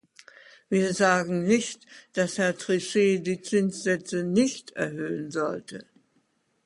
Wir sagen nicht, dass Herr Trichet die Zinssätze nicht erhöhen sollte.